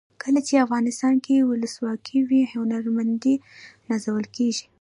کله چې افغانستان کې ولسواکي وي هنرمندان نازول کیږي.